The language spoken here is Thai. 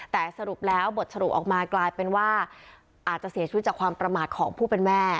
แต่สรุปแล้วบทสรุปออกมากลายเป็นว่าอาจจะเสียชีวิตจากความประมาทของผู้เป็นแม่